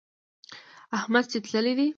احمد چې تللی دی.